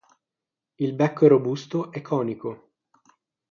Il becco è robusto e conico.